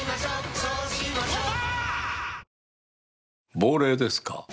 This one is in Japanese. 亡霊ですか？